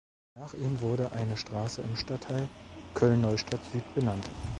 Nach ihm wurde eine Straße im Stadtteil Köln-Neustadt-Süd benannt.